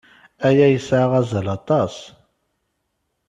Aya yesɛa azal aṭas.